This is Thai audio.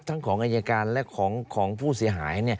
ของอายการและของผู้เสียหาย